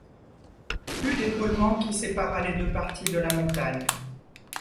Plus d’épaulement qui séparât les deux parties de la montagne